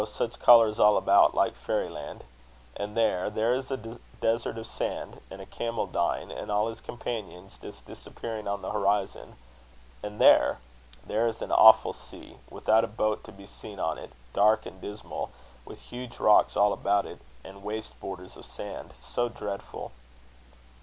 such colours all about, like fairyland! And there, there is a desert of sand, and a camel dying, and all his companions just disappearing on the horizon. And there, there is an awful sea, without a boat to be seen on it, dark and dismal, with huge rocks all about it, and waste borders of sand so dreadful!"